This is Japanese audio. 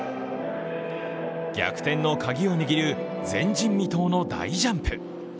逆転のカギを握る前人未到の大ジャンプ。